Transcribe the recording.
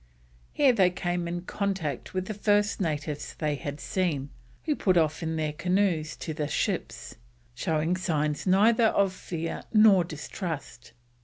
Here they came in contact with the first natives they had seen, who put off in their canoes to the ships, showing signs neither of fear nor distrust.